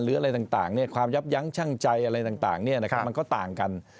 อะไรต่างความยับยั้งชั่งใจอะไรต่างมันก็ต่างกัน